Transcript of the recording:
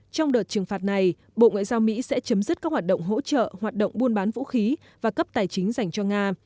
trong đợt trừng phạt này bộ ngoại giao mỹ sẽ chấm dứt các hoạt động hỗ trợ hoạt động buôn bán vũ khí và cấp tài chính dành cho nga